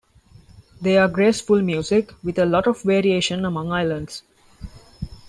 They are graceful music, with a lot of variation among islands.